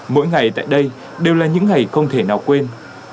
mỗi ngày tại đây đều là những ngày không thể nào quên